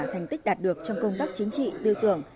thành tích đạt được trong công tác chính trị tư tưởng